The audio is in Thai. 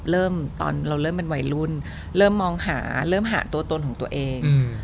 เริ่มตอนเราเริ่มเป็นวัยรุ่นเริ่มมองหาเริ่มหาตัวตนของตัวเอง